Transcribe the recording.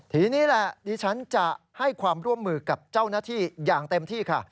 ทีนี้แหละดิฉันจะให้ความร่วมมือกับเจ้าหน้าที่อย่างเต็มที่ค่ะ